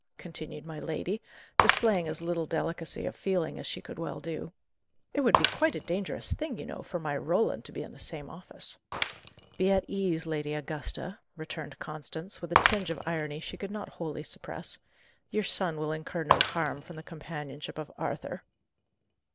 continued my lady, displaying as little delicacy of feeling as she could well do. "It would be quite a dangerous thing, you know, for my Roland to be in the same office." "Be at ease, Lady Augusta," returned Constance, with a tinge of irony she could not wholly suppress. "Your son will incur no harm from the companionship of Arthur."